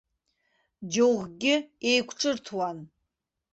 Џьоукгьы еиқәҿырҭуан.